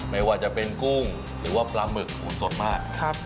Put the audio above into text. ไม่ว่าจะเป็นกุ้งหรือว่าปลาหมึกสดมาก